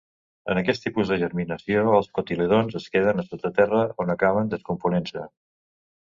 En aquest tipus de germinació els cotilèdons es queden sota terra on acaben descomponent-se.